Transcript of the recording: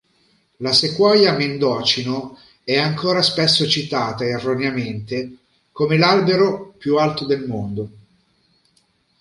La sequoia Mendocino è ancora spesso citata, erroneamente, come l'albero più alto del mondo.